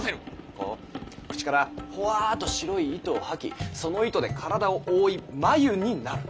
こう口からほわぁっと白い糸を吐きその糸で体を覆い繭になる。